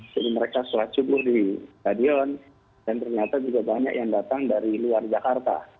jadi mereka sholat subuh di stadion dan ternyata juga banyak yang datang dari luar jakarta